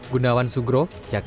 gundawan sugro jakarta